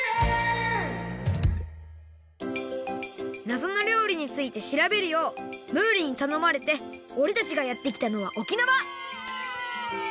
なぞの料理についてしらべるようムールにたのまれておれたちがやってきたのは沖縄！